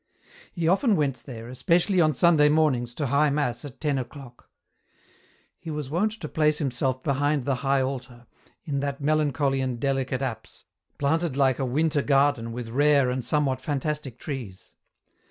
He often went there, especially on Sunday mornings to High Mass at ten o'clock. He was wont to place himself behind the high altar, in that melancholy and delicate apse, planted like a winter garden with rare and somewhat fantastic trees.